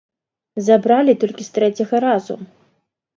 Забралі толькі з трэцяга разу.